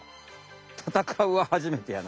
戦うははじめてやな。